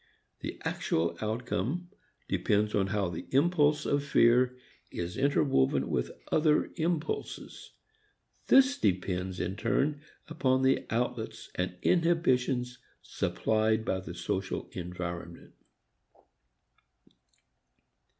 The actual outcome depends upon how the impulse of fear is interwoven with other impulses. This depends in turn upon the outlets and inhibitions supplied by the social environment.